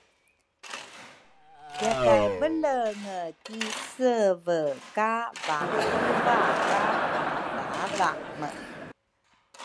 Yakay belenge ki seve ka vaeva ka adhaadhame